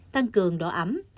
tăng cường độ ẩm